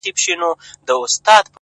باروتي زلفو دې دومره راگير کړی!